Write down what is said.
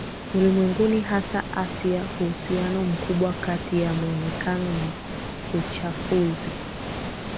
ulimwengu hasa Asia Uhusiano mkubwa kati ya mwonekano na uchafuzi